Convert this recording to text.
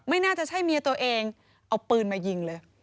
น่าจะใช่เมียตัวเองเอาปืนมายิงเลย